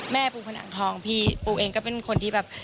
ปูผนังทองพี่ปูเองก็เป็นคนที่แบบ